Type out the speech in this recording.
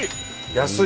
安い！